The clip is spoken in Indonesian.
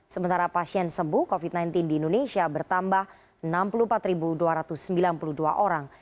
sementara pasien sembuh covid sembilan belas di indonesia bertambah enam puluh empat dua ratus sembilan puluh dua orang